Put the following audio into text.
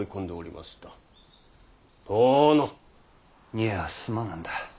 いやすまなんだ。